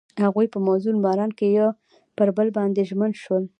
هغوی په موزون باران کې پر بل باندې ژمن شول.